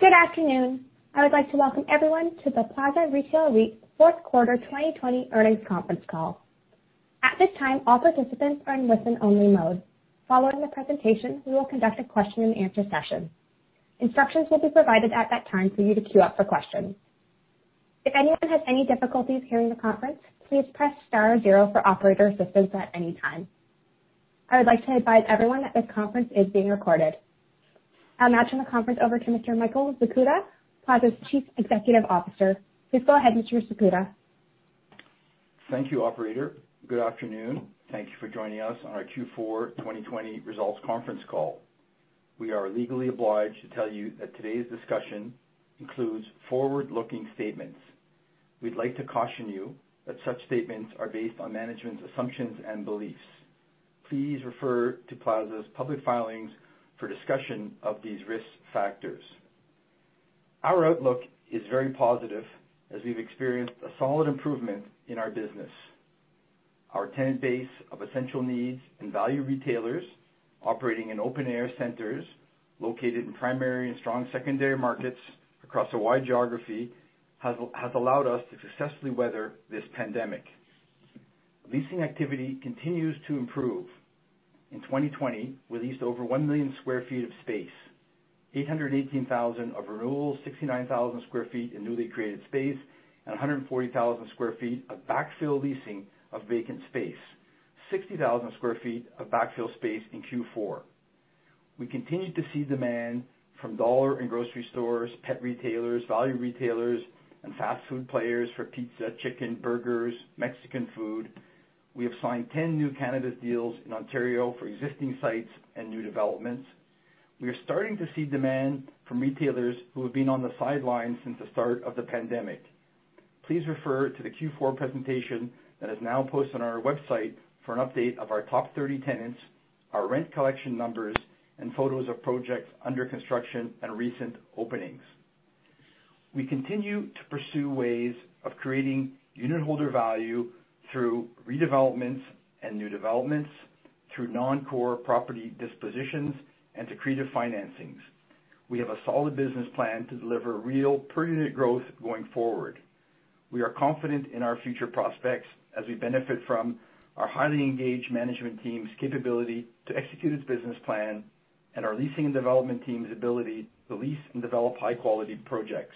Good afternoon. I would like to welcome everyone to the Plaza Retail REIT fourth quarter 2020 earnings conference call. At this time, all participants are in listen only mode. Following the presentation, we will conduct a question and answer session. Instructions will be provided at that time for you to queue up for questions. If anyone has any difficulties hearing the conference, please press star zero for operator assistance at any time. I would like to advise everyone that this conference is being recorded. I'll now turn the conference over to Mr. Michael Zakuta, Plaza's Chief Executive Officer. Please go ahead, Mr. Zakuta. Thank you, operator. Good afternoon. Thank you for joining us on our Q4 2020 results conference call. We are legally obliged to tell you that today's discussion includes forward-looking statements. We'd like to caution you that such statements are based on management's assumptions and beliefs. Please refer to Plaza's public filings for discussion of these risk factors. Our outlook is very positive as we've experienced a solid improvement in our business. Our tenant base of essential needs and value retailers operating in open air centers located in primary and strong secondary markets across a wide geography has allowed us to successfully weather this pandemic. Leasing activity continues to improve. In 2020, we leased over 1 million sq ft of space, 818,000 sq ft of renewal, 69,000 sq ft in newly created space, and 140,000 sq ft of backfill leasing of vacant space. 60,000 sq ft of backfill space in Q4. We continued to see demand from dollar and grocery stores, pet retailers, value retailers, and fast food players for pizza, chicken, burgers, Mexican food. We have signed 10 new cannabis deals in Ontario for existing sites and new developments. We are starting to see demand from retailers who have been on the sidelines since the start of the pandemic. Please refer to the Q4 presentation that is now posted on our website for an update of our top 30 tenants, our rent collection numbers, and photos of projects under construction and recent openings. We continue to pursue ways of creating unitholder value through redevelopments and new developments, through non-core property dispositions, and to creative financings. We have a solid business plan to deliver real per unit growth going forward. We are confident in our future prospects as we benefit from our highly engaged management team's capability to execute its business plan and our leasing and development team's ability to lease and develop high quality projects.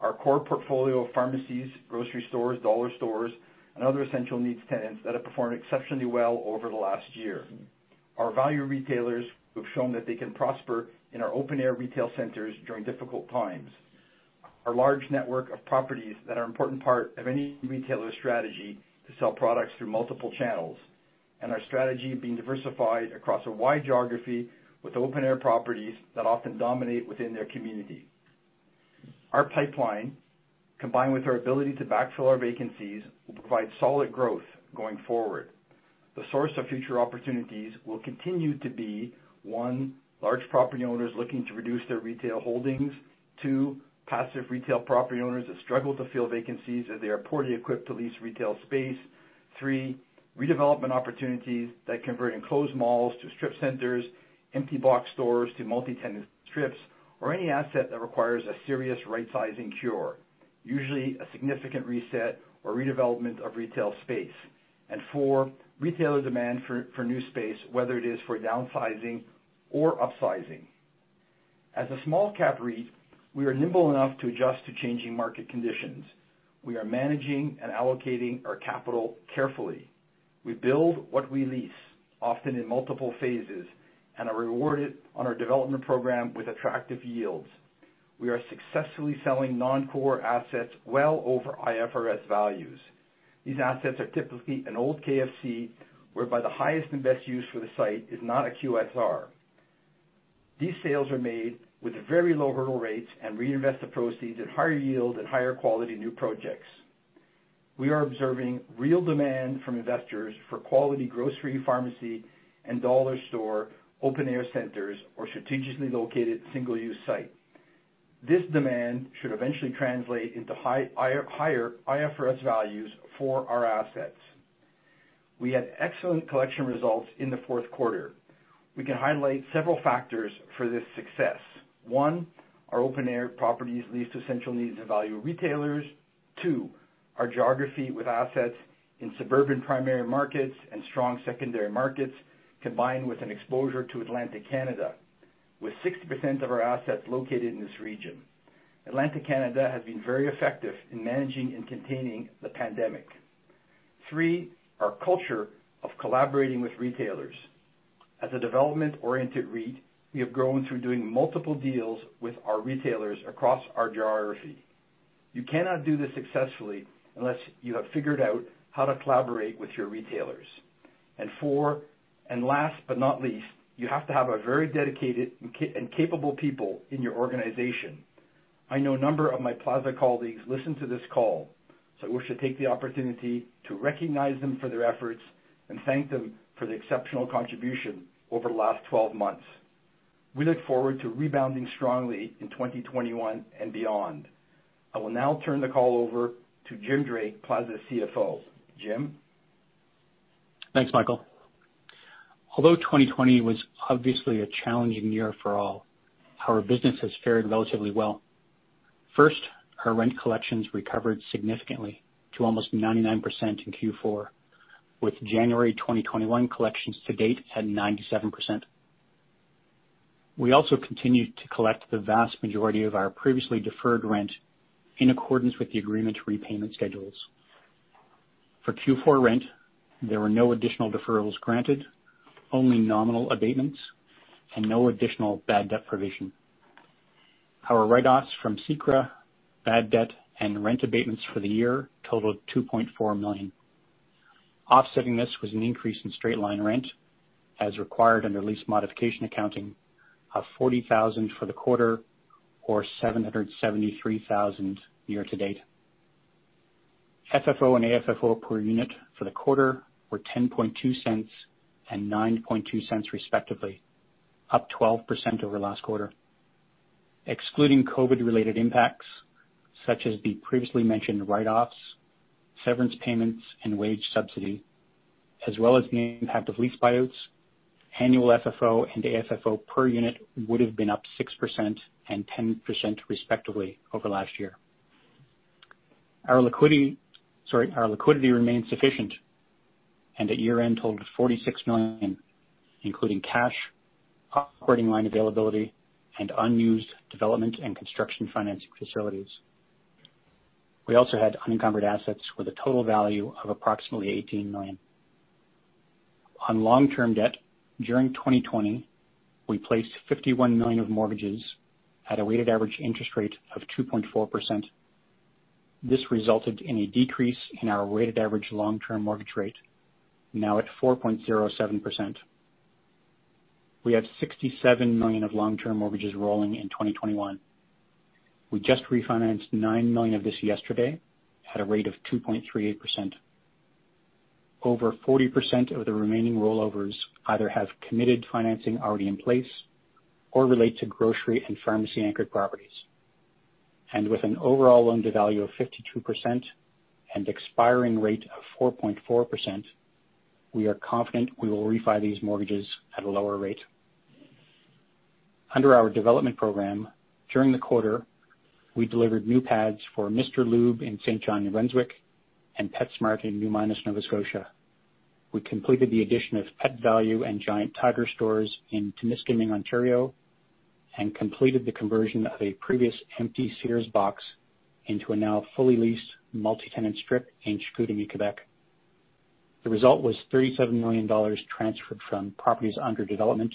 Our core portfolio of pharmacies, grocery stores, dollar stores, and other essential needs tenants that have performed exceptionally well over the last year. Our value retailers who have shown that they can prosper in our open air retail centers during difficult times. Our large network of properties that are important part of any retailer's strategy to sell products through multiple channels. Our strategy being diversified across a wide geography with open air properties that often dominate within their community. Our pipeline, combined with our ability to backfill our vacancies, will provide solid growth going forward. The source of future opportunities will continue to be, one, large property owners looking to reduce their retail holdings. Two, passive retail property owners that struggle to fill vacancies as they are poorly equipped to lease retail space. Three, redevelopment opportunities that convert enclosed malls to strip centers, empty box stores to multi-tenant strips, or any asset that requires a serious right sizing cure, usually a significant reset or redevelopment of retail space. Four, retailer demand for new space, whether it is for downsizing or upsizing. As a small cap REIT, we are nimble enough to adjust to changing market conditions. We are managing and allocating our capital carefully. We build what we lease, often in multiple phases, and are rewarded on our development program with attractive yields. We are successfully selling non-core assets well over IFRS values. These assets are typically an old KFC, whereby the highest and best use for the site is not a QSR. These sales are made with very low hurdle rates and reinvest the proceeds at higher yield and higher quality new projects. We are observing real demand from investors for quality grocery, pharmacy, and dollar store open air centers or strategically located single use site. This demand should eventually translate into higher IFRS values for our assets. We had excellent collection results in the fourth quarter. We can highlight several factors for this success. One, our open air properties leased to essential needs and value retailers. Two, our geography with assets in suburban primary markets and strong secondary markets, combined with an exposure to Atlantic cannabis, with 60% of our assets located in this region. Atlantic cannabis has been very effective in managing and containing the pandemic. Three, our culture of collaborating with retailers. As a development oriented REIT, we have grown through doing multiple deals with our retailers across our geography. You cannot do this successfully unless you have figured out how to collaborate with your retailers. Four, and last but not least, you have to have a very dedicated and capable people in your organization. I know a number of my Plaza colleagues listen to this call, so I wish to take the opportunity to recognize them for their efforts and thank them for the exceptional contribution over the last 12 months. We look forward to rebounding strongly in 2021 and beyond. I will now turn the call over to Jim Drake, Plaza's CFO. Jim? Thanks, Michael. Although 2020 was obviously a challenging year for all, our business has fared relatively well. First, our rent collections recovered significantly to almost 99% in Q4, with January 2021 collections to date at 97%. We also continued to collect the vast majority of our previously deferred rent in accordance with the agreement repayment schedules. For Q4 rent, there were no additional deferrals granted, only nominal abatements, and no additional bad debt provision. Our write-offs from CECRA, bad debt, and rent abatements for the year totaled 2.4 million. Offsetting this was an increase in straight-line rent as required under lease modification accounting of 40,000 for the quarter or 773,000 year to date. FFO and AFFO per unit for the quarter were 0.102 and 0.092 respectively, up 12% over last quarter. Excluding COVID-related impacts such as the previously mentioned write-offs, severance payments, and wage subsidy, as well as new 100 lease buyouts, annual FFO and AFFO per unit would have been up 6% and 10% respectively over last year. Our liquidity remains sufficient and at year-end totaled 46 million, including cash, operating line availability, and unused development and construction financing facilities. We also had unencumbered assets with a total value of approximately 18 million. On long-term debt, during 2020, we placed 51 million of mortgages at a weighted average interest rate of 2.4%. This resulted in a decrease in our weighted average long-term mortgage rate, now at 4.07%. We have 67 million of long-term mortgages rolling in 2021. We just refinanced 9 million of this yesterday at a rate of 2.38%. Over 40% of the remaining rollovers either have committed financing already in place or relate to grocery and pharmacy-anchored properties. With an overall loan-to-value of 52% and expiring rate of 4.4%, we are confident we will refi these mortgages at a lower rate. Under our development program, during the quarter, we delivered new pads for Mr. Lube in Saint John, New Brunswick, and PetSmart in New Minas, Nova Scotia. We completed the addition of Pet Valu and Giant Tiger stores in Temiskaming, Ontario, and completed the conversion of a previous empty Sears box into a now fully leased multi-tenant strip in Chicoutimi, Quebec. The result was 37 million dollars transferred from properties under development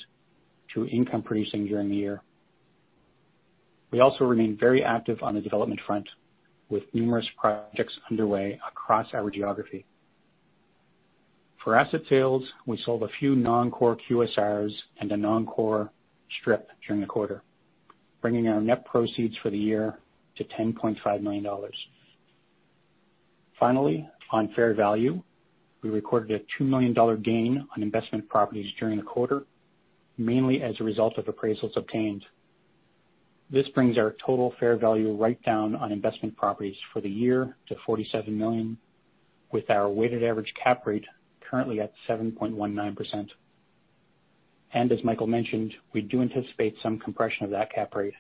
to income producing during the year. We also remain very active on the development front, with numerous projects underway across our geography. For asset sales, we sold a few non-core QSRs and a non-core strip during the quarter, bringing our net proceeds for the year to 10.5 million dollars. Finally, on fair value, we recorded a 2 million dollar gain on investment properties during the quarter, mainly as a result of appraisals obtained. This brings our total fair value write-down on investment properties for the year to 47 million, with our weighted average cap rate currently at 7.19%. As Michael mentioned, we do anticipate some compression of that cap rate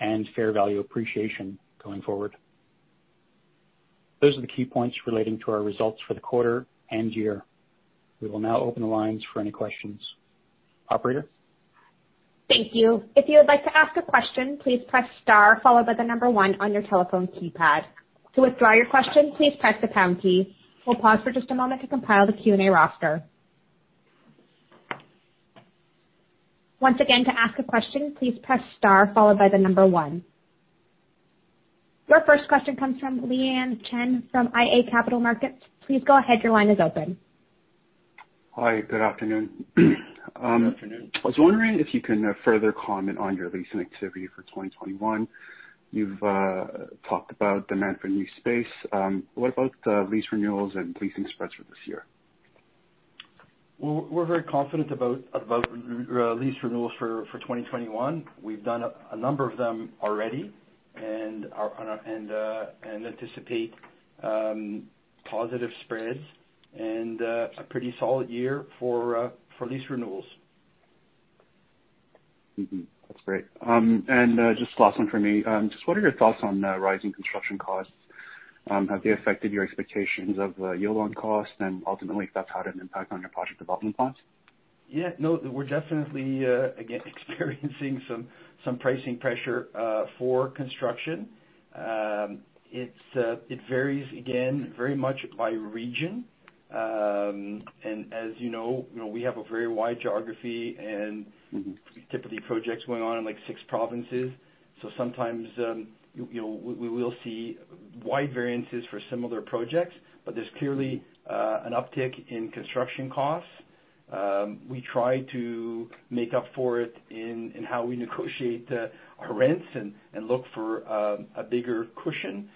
and fair value appreciation going forward. Those are the key points relating to our results for the quarter and year. We will now open the lines for any questions. Operator? Thank you. Your first question comes from Leanne Chen from iA Capital Markets. Please go ahead, your line is open. Hi, good afternoon. Good afternoon. I was wondering if you can further comment on your leasing activity for 2021. You've talked about demand for new space. What about the lease renewals and leasing spreads for this year? We're very confident about lease renewals for 2021. We've done a number of them already and anticipate positive spreads and a pretty solid year for lease renewals. Mm-hmm. That's great. Just last one from me. Just what are your thoughts on rising construction costs? Have they affected your expectations of yield on cost and ultimately if that's had an impact on your project development plans? Yeah, no, we're definitely again, experiencing some pricing pressure for construction. It varies again, very much by region. As you know, we have a very wide geography. typically projects going on in six provinces. Sometimes, we will see wide variances for similar projects, but there's clearly an uptick in construction costs. We try to make up for it in how we negotiate our rents and look for a bigger cushion.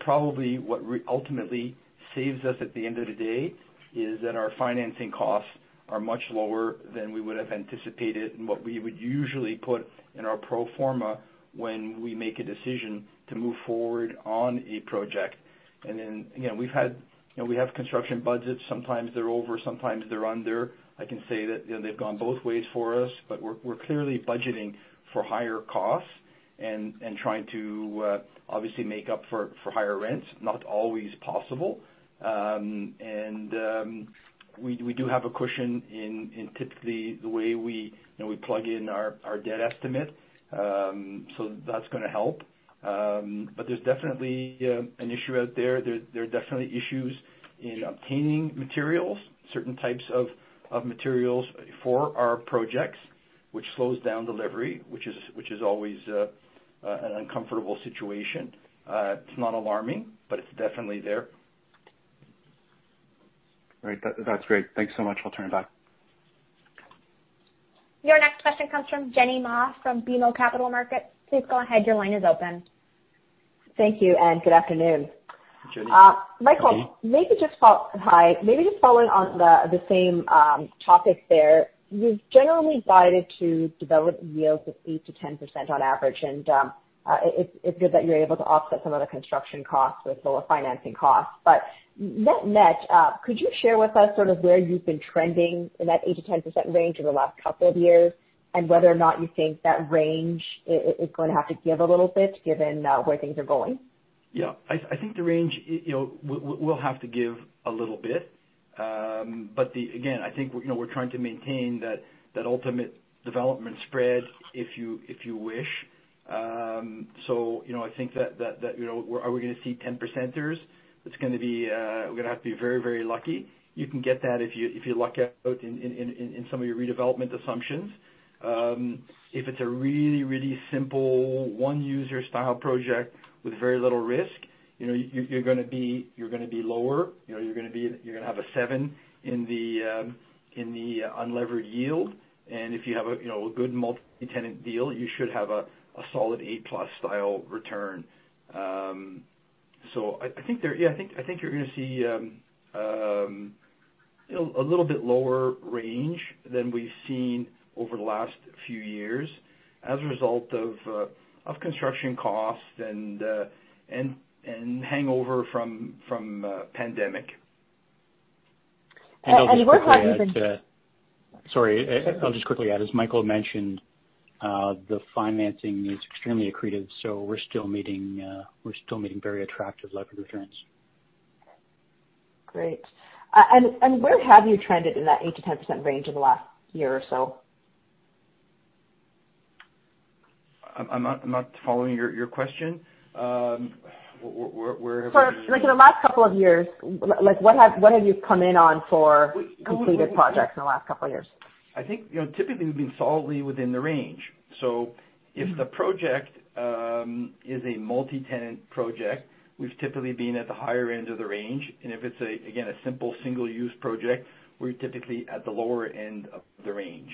Probably what ultimately saves us at the end of the day is that our financing costs are much lower than we would have anticipated and what we would usually put in our pro forma when we make a decision to move forward on a project. We have construction budgets. Sometimes they're over, sometimes they're under. I can say that they've gone both ways for us, but we're clearly budgeting for higher costs and trying to obviously make up for higher rents. Not always possible. We do have a cushion in typically the way we plug in our debt estimate. That's going to help. There's definitely an issue out there. There are definitely issues in obtaining materials, certain types of materials for our projects, which slows down delivery, which is always an uncomfortable situation. It's not alarming, but it's definitely there. Right. That's great. Thanks so much. I'll turn it back. Your next question comes from Jenny Ma from BMO Capital Markets. Please go ahead. Your line is open. Thank you, and good afternoon. Jenny. Michael. Hi. Maybe just following on the same topic there. You've generally guided to development yields of 8%-10% on average, and it's good that you're able to offset some of the construction costs with lower financing costs. Net-net, could you share with us sort of where you've been trending in that 8%-10% range over the last couple of years, and whether or not you think that range is going to have to give a little bit given where things are going? Yeah. I think the range will have to give a little bit. Again, I think we're trying to maintain that ultimate development spread, if you wish. I think that are we going to see 10%ers? We're going to have to be very lucky. You can get that if you luck out in some of your redevelopment assumptions. If it's a really simple one-user style project with very little risk, you're going to be lower. You're going to have a seven in the unlevered yield. If you have a good multi-tenant deal, you should have a solid eight-plus style return. I think you're going to see a little bit lower range than we've seen over the last few years as a result of construction costs and hangover from pandemic. Where have you been? Sorry. I'll just quickly add, as Michael mentioned, the financing is extremely accretive, so we're still meeting very attractive levered returns. Great. Where have you trended in that 8%-10% range in the last year or so? I'm not following your question. Where have we been? Like in the last couple of years, what have you come in on for completed projects in the last couple of years? I think typically we've been solidly within the range. If the project is a multi-tenant project, we've typically been at the higher end of the range. If it's, again, a simple single-use project, we're typically at the lower end of the range.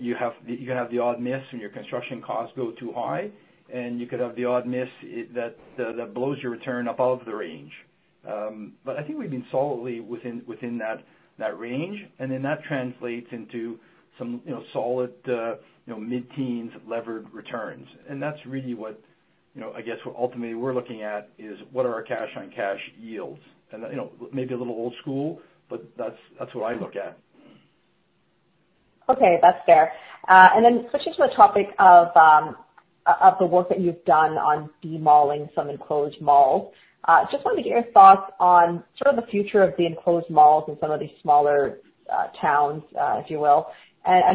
You can have the odd miss when your construction costs go too high, and you could have the odd miss that blows your return above the range. I think we've been solidly within that range, and then that translates into some solid mid-teens levered returns. That's really what ultimately we're looking at is what are our cash-on-cash yields? Maybe a little old school, but that's what I look at. Okay. That's fair. Then switching to the topic of the work that you've done on de-malling some enclosed malls. Just wanted to get your thoughts on sort of the future of the enclosed malls in some of these smaller towns, if you will.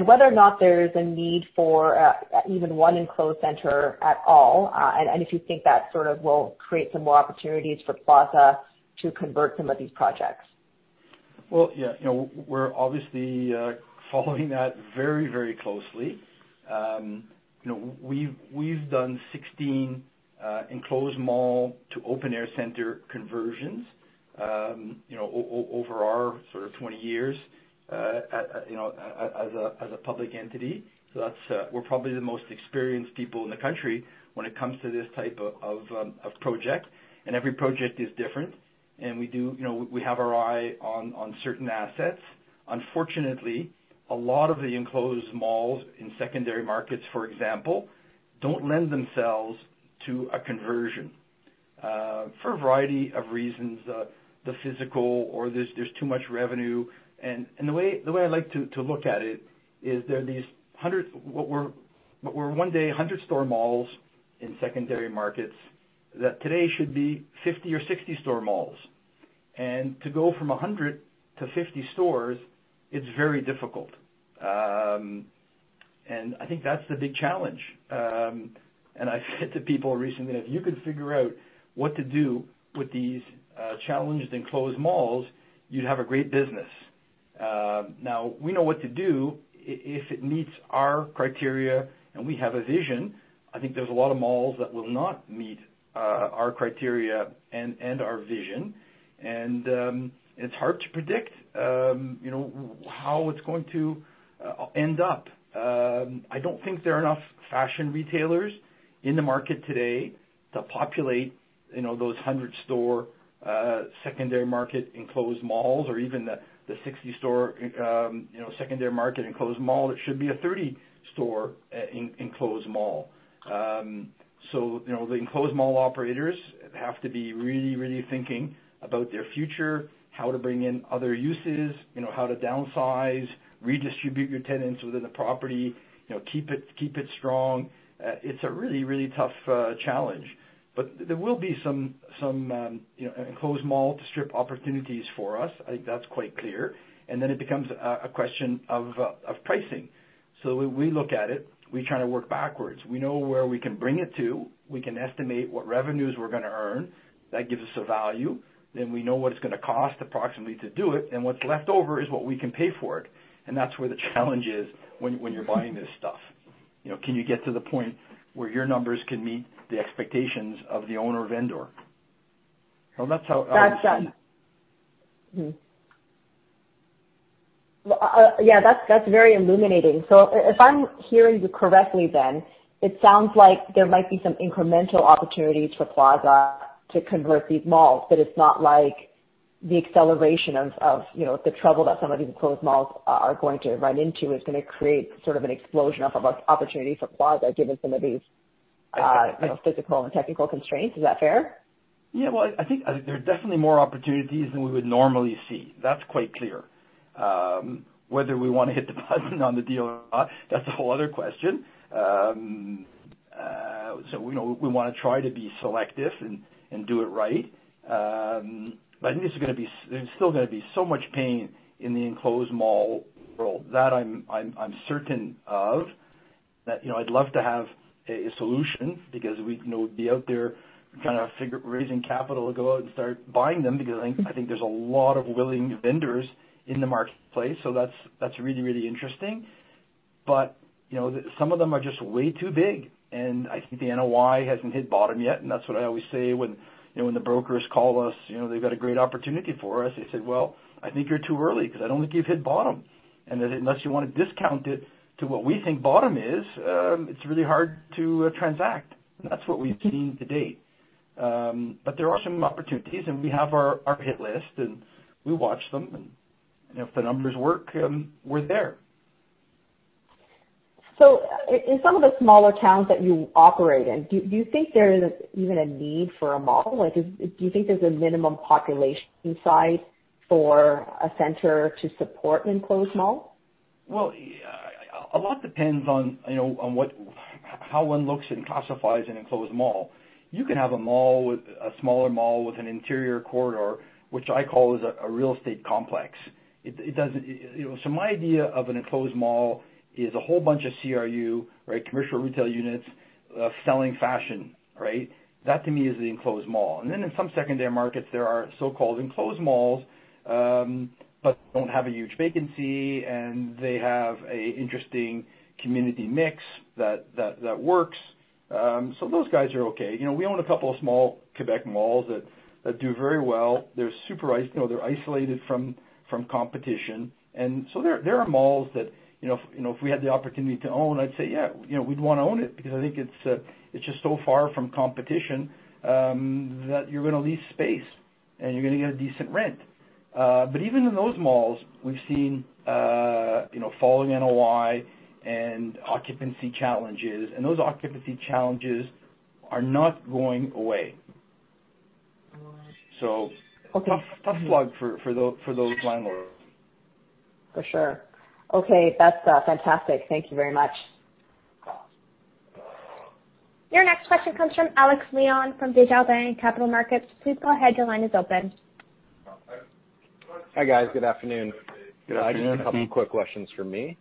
Whether or not there's a need for even one enclosed center at all, and if you think that sort of will create some more opportunities for Plaza to convert some of these projects. Well, yeah, we're obviously following that very closely. We've done 16 enclosed mall to open-air center conversions over our sort of 20 years as a public entity. We're probably the most experienced people in the country when it comes to this type of project, and every project is different. We have our eye on certain assets. Unfortunately, a lot of the enclosed malls in secondary markets, for example, don't lend themselves to a conversion for a variety of reasons, the physical or there's too much revenue. The way I like to look at it is there are these, what were one day 100 store malls in secondary markets that today should be 50 or 60 store malls. To go from 100-50 stores, it's very difficult. I think that's the big challenge. I said to people recently, if you could figure out what to do with these challenged enclosed malls, you'd have a great business. We know what to do if it meets our criteria and we have a vision. I think there's a lot of malls that will not meet our criteria and our vision, and it's hard to predict how it's going to end up. I don't think there are enough fashion retailers in the market today to populate those 100-store secondary market enclosed malls, or even the 60-store secondary market enclosed mall that should be a 30-store enclosed mall. The enclosed mall operators have to be really, really thinking about their future, how to bring in other uses, how to downsize, redistribute your tenants within the property, keep it strong. It's a really, really tough challenge. There will be some enclosed mall to strip opportunities for us. I think that's quite clear. It becomes a question of pricing. When we look at it, we try to work backwards. We know where we can bring it to. We can estimate what revenues we're going to earn. That gives us a value. We know what it's going to cost approximately to do it, and what's left over is what we can pay for it. That's where the challenge is when you're buying this stuff. Can you get to the point where your numbers can meet the expectations of the owner vendor? That's how I see it. That's done. That's very illuminating. If I'm hearing you correctly, it sounds like there might be some incremental opportunities for Plaza to convert these malls, but it's not like the acceleration of the trouble that some of these enclosed malls are going to run into is going to create sort of an explosion of opportunities for Plaza, given some of these physical and technical constraints. Is that fair? Yeah. Well, I think there are definitely more opportunities than we would normally see. That's quite clear. Whether we want to hit the button on the deal or not, that's a whole other question. We want to try to be selective and do it right. There's still going to be so much pain in the enclosed mall world. That, I'm certain of. I'd love to have a solution because we'd be out there kind of raising capital to go out and start buying them because I think there's a lot of willing vendors in the marketplace. That's really, really interesting. Some of them are just way too big, and I think the NOI hasn't hit bottom yet, and that's what I always say when the brokers call us. They've got a great opportunity for us. I say, "Well, I think you're too early because I don't think you've hit bottom." That unless you want to discount it to what we think bottom is, it's really hard to transact. That's what we've seen to date. There are some opportunities, and we have our hit list, and we watch them. If the numbers work, we're there. In some of the smaller towns that you operate in, do you think there is even a need for a mall? Do you think there's a minimum population size for a center to support an enclosed mall? Well, a lot depends on how one looks and classifies an enclosed mall. You can have a smaller mall with an interior corridor, which I call a real estate complex. My idea of an enclosed mall is a whole bunch of CRU, commercial retail units, selling fashion. That to me is the enclosed mall. Then in some secondary markets, there are so-called enclosed malls, but don't have a huge vacancy, and they have an interesting community mix that works. Those guys are okay. We own a couple of small Quebec malls that do very well. They're isolated from competition. So there are malls that if we had the opportunity to own, I'd say, yeah, we'd want to own it because I think it's just so far from competition, that you're going to lease space and you're going to get a decent rent. Even in those malls, we've seen falling NOI and occupancy challenges, and those occupancy challenges are not going away. All right. Okay. Tough plug for those landlords. For sure. Okay. That's fantastic. Thank you very much. Your next question comes from Alex Leon from Desjardins Capital Markets. Please go ahead. Hi, guys. Good afternoon. Good afternoon. Just a couple quick questions from me.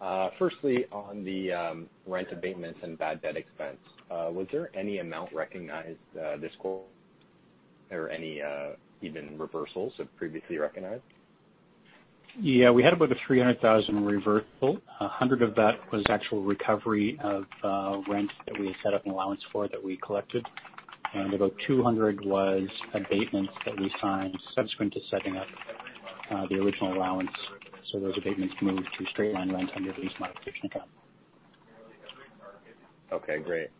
On the rent abatements and bad debt expense, was there any amount recognized this quarter or any even reversals of previously recognized? Yeah. We had about a 300,000 reversal. 100,000 of that was actual recovery of rent that we had set up an allowance for that we collected, and about 200,000 was abatements that we signed subsequent to setting up the original allowance. Those abatements moved to straight-line rent under lease modification accounting. Okay, great.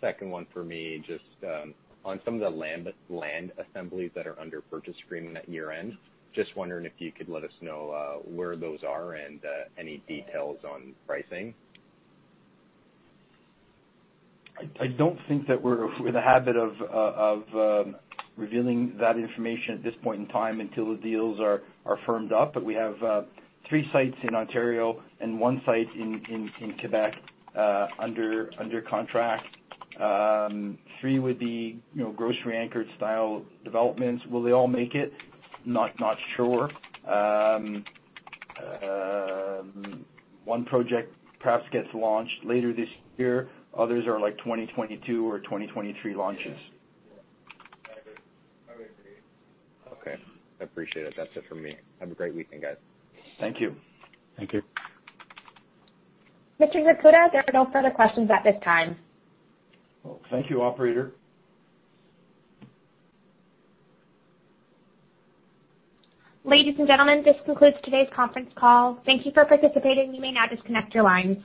Second one for me, just on some of the land assemblies that are under purchase agreement at year-end, just wondering if you could let us know where those are and any details on pricing? I don't think that we're in the habit of revealing that information at this point in time until the deals are firmed up. We have three sites in Ontario and one site in Quebec under contract. Three would be grocery anchored style developments. Will they all make it? Not sure. One project perhaps gets launched later this year. Others are 2022 or 2023 launches. Okay. I appreciate it. That's it for me. Have a great weekend, guys. Thank you. Thank you. Mr. Zakuta, there are no further questions at this time. Well, thank you, operator. Ladies and gentlemen, this concludes today's conference call. Thank you for participating. You may now disconnect your lines.